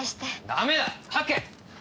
ダメだ描け！